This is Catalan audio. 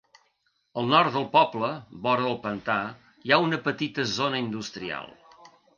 Al nord del poble, vora del pantà, hi ha una petita zona industrial.